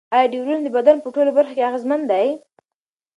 ایا ډیوډرنټ د بدن په ټولو برخو کې اغېزمن دی؟